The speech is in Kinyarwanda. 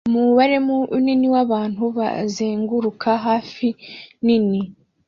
Umubare munini wabantu bazenguruka hafi nini